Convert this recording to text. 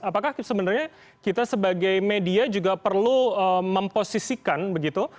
apakah sebenarnya kita sebagai media juga perlu memposisikan begitu